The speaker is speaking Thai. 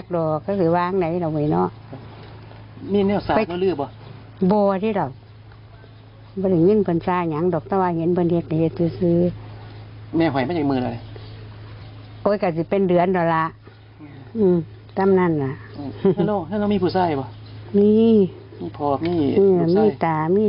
เด็กข้าวตกก็มีคนเสียชีวิต